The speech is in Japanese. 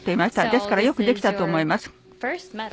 ですから、よくできたと思います。